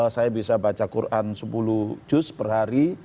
saya bisa baca quran sepuluh juz per hari